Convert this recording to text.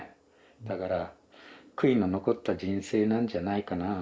だから悔いの残った人生なんじゃないかなぁ。